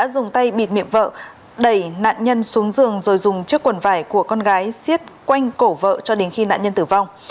dùng tay bịt miệng vợ đẩy nạn nhân xuống giường rồi dùng chiếc quần vải của con gái xiết quanh cổ vợ cho đến khi nạn nhân tử vong